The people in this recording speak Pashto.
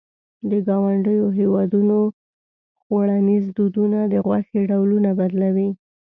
د ګاونډیو هېوادونو خوړنيز دودونه د غوښې ډولونه بدلوي.